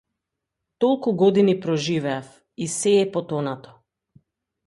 Толку години проживеав, и сѐ е потонато.